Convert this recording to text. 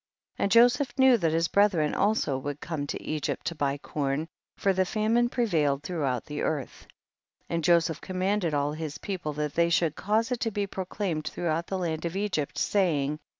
And Joseph knew that his brethren also would come to Egypt to buy corn, for the famine prevailed throughout the earth. And Joseph commanded all his people that they should cause it to be proclaimed throughout the land of Egypt, saying, 33.